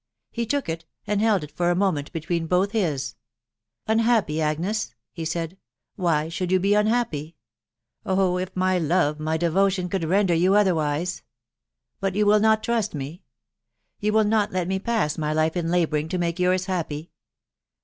He took it, and held it for a moment between both his. " Unhappy, Agnes ?".... he said, " why should you be unhappy ? Oh ! if my love, my devotion, could render you otherwise !.... But you will not trust me ?.... You will not let me pass my life in labouring to make yours happy?